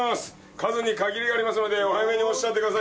数に限りがありますのでお早めにおっしゃってくださいね。